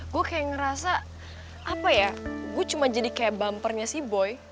gue kayak ngerasa apa ya gue cuma jadi kayak bumpernya si boy